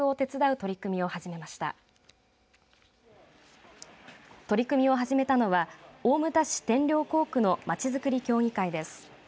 取り組みを始めたのは大牟田市天領校区のまちづくり協議会です。